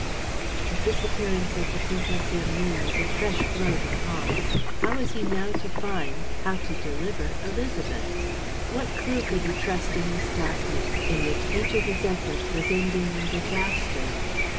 The disappearance of the Comtesse Hermine was a fresh blow to Paul. How was he now to find, how to deliver Élisabeth? What clue could he trust in this darkness, in which each of his efforts was ending in disaster?